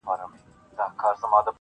اوس به سخته سزا درکړمه و تاته,